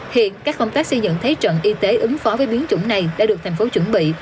hiện các công tác xây dựng thế trận y tế ứng phó với biến chủng này đã được thành phố chuẩn bị